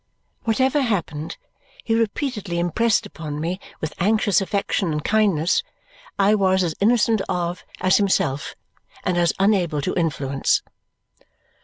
Whatever happened, he repeatedly impressed upon me with anxious affection and kindness, I was as innocent of as himself and as unable to influence.